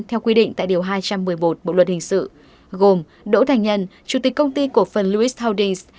theo quy định tại điều hai trăm một mươi một bộ luật hình sự gồm đỗ thành nhân chủ tịch công ty cổ phần luis holdings